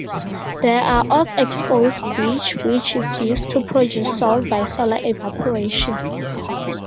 There are of exposed beach which is used to produce salt by solar evaporation.